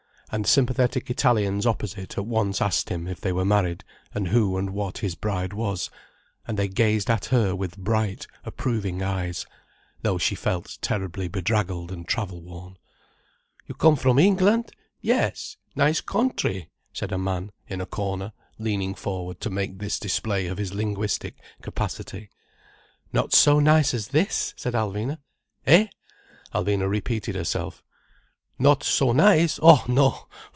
And sympathetic Italians opposite at once asked him if they were married and who and what his bride was, and they gazed at her with bright, approving eyes, though she felt terribly bedraggled and travel worn. "You come from England? Yes! Nice contry!" said a man in a corner, leaning forward to make this display of his linguistic capacity. "Not so nice as this," said Alvina. "Eh?" Alvina repeated herself. "Not so nice? Oh? No!